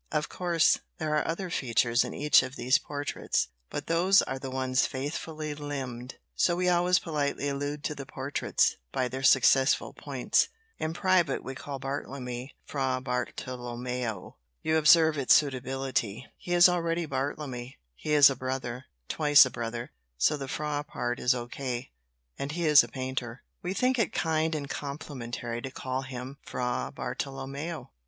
Of course, there are other features in each of these portraits, but those are the ones faithfully limned, so we always politely allude to the portraits by their successful points. In private we call Bartlemy Fra Bartolomeo. You observe its suitability; he is already Bartlemy; he is a brother twice a brother so the fra part is o. k., and he is a painter. We think it kind and complimentary to call him Fra Bartolomeo."